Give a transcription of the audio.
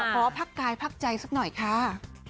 ขอพักกายพักใจสักหน่อยค่ะ